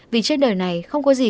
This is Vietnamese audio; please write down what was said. vì trên đời này không có gì